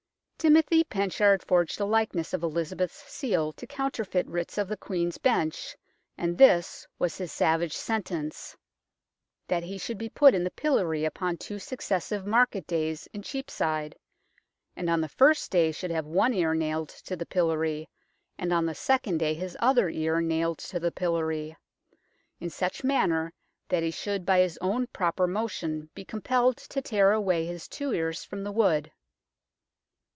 Timothy Penchard forged a likeness of Elizabeth's seal to counterfeit writs of the Queen's Bench, and this was his savage sentence : THE BAGA DE SECRETIS 167 that he should be put in the pillory upon two successive market days in Cheapside, and on the first day should have one ear nailed to the pillory, and on the second day his other ear nailed to the pillory, in such manner that he should by his own proper motion be compelled to tear away his two ears from the wood.